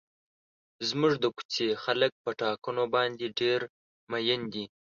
زموږ د کوڅې خلک په ټاکنو باندې ډېر مین دي.